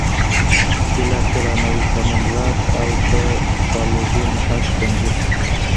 بالاخره نوی قانون رد او د بالډوین حق خوندي شو.